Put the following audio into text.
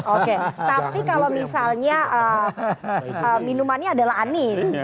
oke tapi kalau misalnya minumannya adalah anies